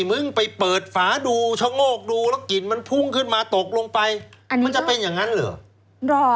มึงไปเปิดฝาดูชะโงกดูแล้วกลิ่นมันพุ่งขึ้นมาตกลงไปอันนี้มันจะเป็นอย่างนั้นเหรอ